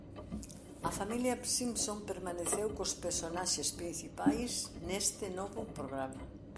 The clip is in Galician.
A familia Simpson permaneceu cos personaxes principais neste novo programa.